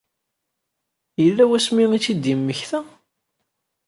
Yella wasmi i tt-id-yemmekta?